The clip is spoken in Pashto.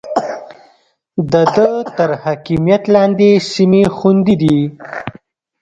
د ده تر حاکميت لاندې سيمې خوندي دي.